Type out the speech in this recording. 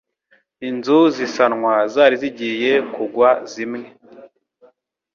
Inzu zisanwa zari zigiye kugwa zimwe